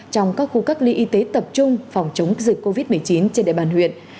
trong các khu cách ly y tế tập trung phòng chống dịch covid một mươi chín trên địa bàn huyện